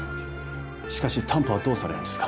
しかし担保はどうされるんですか